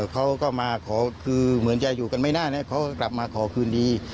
เขาก็มาขอคือเหมือนจะอยู่กันไม่ได้นะเขาก็กลับมาขอคืนดี